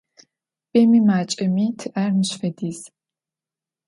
Бэми макӏэми тиӏэр мыщ фэдиз.